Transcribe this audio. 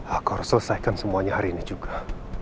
aku harus selesaikan semuanya hari ini juga